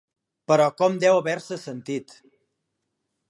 Però com deu haver-se sentit!